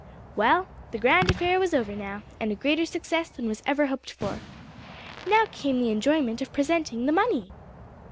Well, the grand affair was over now, and a greater success than was ever hoped for. Now came the enjoyment of presenting the money!